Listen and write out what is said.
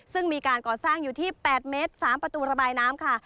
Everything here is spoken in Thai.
ซึ่งมีการก่อสร้างอยู่ที่๘เมตร๓ประตูระบายน้ำค่ะ